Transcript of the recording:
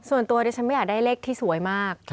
ส่วนตัวดิฉันไม่อยากได้เลขที่สวยมาก